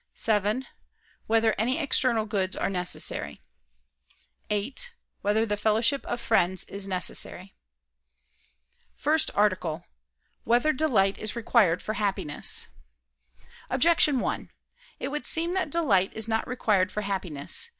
(7) Whether any external goods are necessary? (8) Whether the fellowship of friends is necessary? ________________________ FIRST ARTICLE [I II, Q. 4, Art. 1] Whether Delight Is Required for Happiness? Objection 1: It would seem that delight is not required for happiness.